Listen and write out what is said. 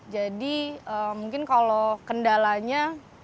jadi mungkin kalau kendalanya